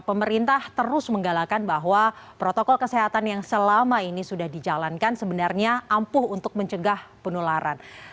pemerintah terus menggalakkan bahwa protokol kesehatan yang selama ini sudah dijalankan sebenarnya ampuh untuk mencegah penularan